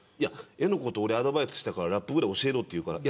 絵のことアドバイスしたからラップぐらい教えろと言うから。